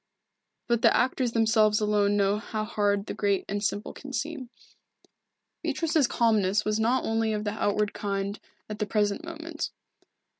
But the actors themselves alone know how hard the great and simple can seem. Beatrice's calmness was not only of the outward kind at the present moment.